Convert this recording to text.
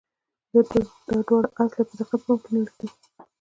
دا دواړه اصله یې په دقت په پام کې نیولي دي.